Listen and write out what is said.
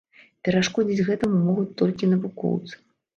Перашкодзіць гэтаму могуць толькі навукоўцы.